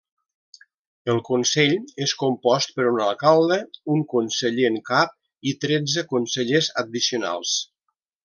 El consell és compost per un alcalde, un conseller en cap i tretze consellers addicionals.